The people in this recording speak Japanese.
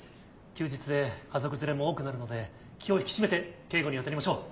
休日で家族連れも多くなるので気を引き締めて警護に当たりましょう。